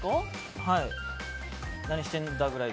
はい。